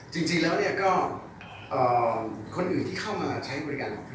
จริงแล้วก็คนอื่นที่เข้ามาใช้บริการ